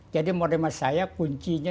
jadi modern saya kuncinya